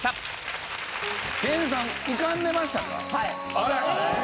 あら。